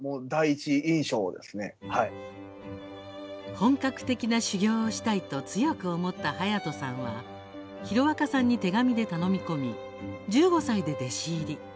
本格的な修業をしたいと強く思った隼人さんは広若さんに手紙で頼み込み１５歳で弟子入り。